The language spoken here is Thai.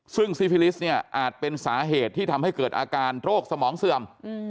ซึ่งซีฟิลิสเนี่ยอาจเป็นสาเหตุที่ทำให้เกิดอาการโรคสมองเสื่อม